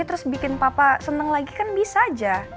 terus bikin papa seneng lagi kan bisa aja